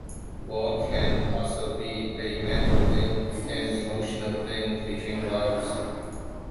War can also be a mental thing, an emotional thing between loves.